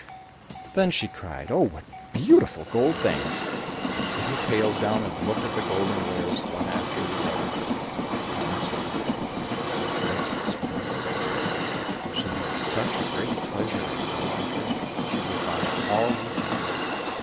Then she cried, "Oh, what beautiful gold things!" and put her pails down and looked at the golden wares one after the other. Then said the girl, "The princess must see these, she has such great pleasure in golden things, that she will buy all you have."